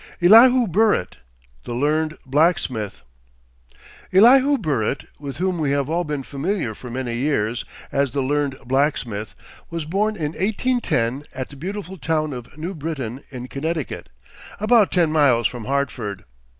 ELIHU BURRITT, THE LEARNED BLACKSMITH. Elihu Burritt, with whom we have all been familiar for many years as the Learned Blacksmith, was born in 1810 at the beautiful town of New Britain, in Connecticut, about ten miles from Hartford.